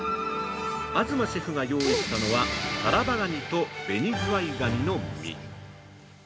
東シェフが用意したのはタラバガニとベニズワイガニの身。